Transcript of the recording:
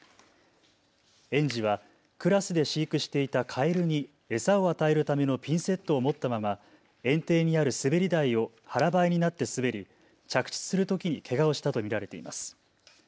園児はクラスで飼育していたカエルに餌を与えるためのピンセットを持ったまま園庭にある滑り台を腹ばいになって滑り、着地するときにけがをしたと見られています。